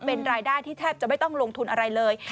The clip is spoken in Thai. เป็นรายได้ที่แทบจะไม่ต้องลงทุนอะไรเลย